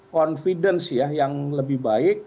kepercayaan yang lebih baik